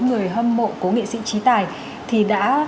người hâm mộ của nghệ sĩ trí tài thì đã